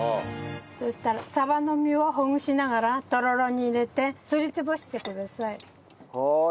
そしたらサバの身をほぐしながらとろろに入れてすり潰してください。